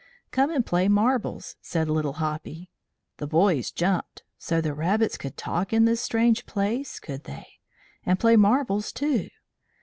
"Come and play marbles," said Little Hoppy. The boys jumped. So the rabbits could talk in this strange place, could they? And play marbles, too?